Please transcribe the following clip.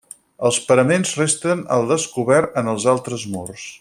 Els paraments resten al descobert en els altres murs.